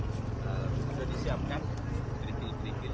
sudah disiapkan kerikil kerikil